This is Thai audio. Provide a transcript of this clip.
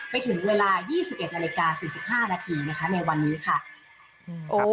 ไปถึงเวลา๒๑นาฬิกา๔๕นาทีนะคะในวันนี้ค่ะ